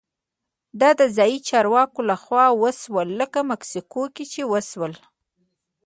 دا د ځايي چارواکو لخوا وشول لکه مکسیکو کې چې وشول.